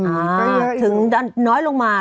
อ่าถึงน้อยลงมา